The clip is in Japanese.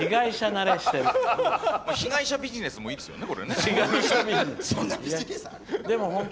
被害者ビジネスもいいですよね。